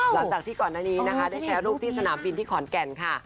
หลังจากที่ก่อนหน้านี้นะคะได้แชร์รูปที่สนามบินที่ขอนแก่นค่ะ